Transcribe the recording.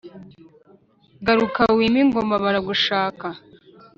garuka wime ingoma baragushaka.